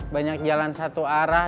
banyak jalan satu arah